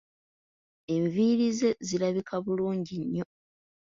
Enviiri ze zirabika bulungi nnyo.